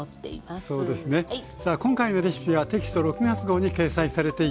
今回のレシピはテキスト６月号に掲載されています。